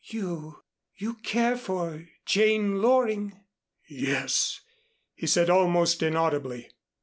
"You you care for Jane Loring?" "Yes," he said almost inaudibly.